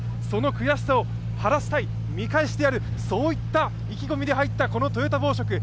その悔しさを晴らしたい、見返してやる、そういった意気込みで入ったトヨタ紡織。